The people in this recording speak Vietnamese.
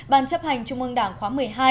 ban chấp hành trung ương đảng khóa một mươi hai